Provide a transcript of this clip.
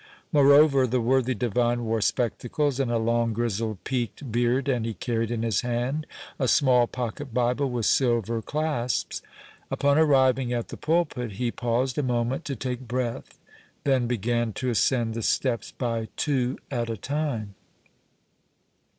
Moreover, the worthy divine wore spectacles, and a long grizzled peaked beard, and he carried in his hand a small pocket bible with silver clasps. Upon arriving at the pulpit, he paused a moment to take breath, then began to ascend the steps by two at a time.